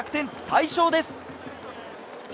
快勝です。